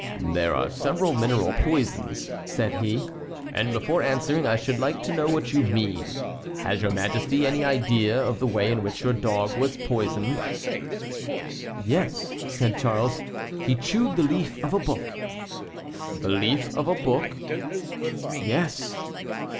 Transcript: "There are several mineral poisons," said he; "and before answering I should like to know what you mean. Has your Majesty any idea of the way in which your dog was poisoned?" "Yes," said Charles; "he chewed the leaf of a book." "The leaf of a book?" "Yes."